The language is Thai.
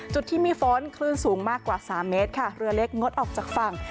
จุดที่มีฝนคลื่นสูงมากกว่า๓เมตรค่ะเรือเล็กงดออกจากฝั่ง